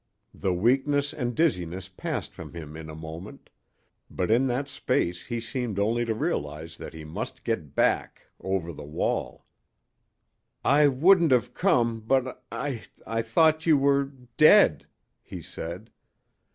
The weakness and dizziness passed from him in a moment, but in that space he seemed only to realize that he must get back over the wall. "I wouldn't have come but I I thought you were dead," he said.